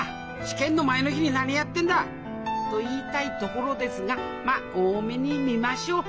試験の前の日に何やってんだ！と言いたいところですがまあ大目に見ましょう。